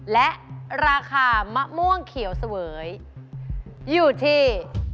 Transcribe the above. และราคามะม่วงเขียวเสวยอยู่ที่